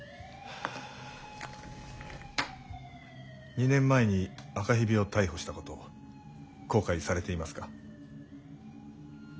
２年前に赤蛇を逮捕したこと後悔されていますか？